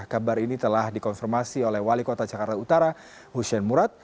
kabar ini telah dikonfirmasi oleh wali kota jakarta utara hussein murad